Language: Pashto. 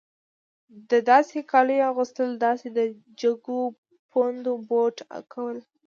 د داسې کالیو اغوستل داسې د جګو پوندو بوټ کول.